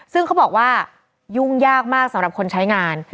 ซึ่งเขาบอกว่ายุ่งยากมากสำหรับคนใช้งาน